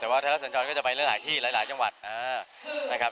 แต่ว่าไทยรัฐสัญจรก็จะไปหลายที่หลายจังหวัดนะครับ